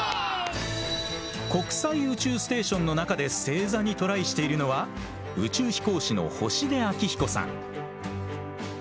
国際宇宙ステーションの中で正座にトライしているのは宇宙飛行士の星出彰彦さん。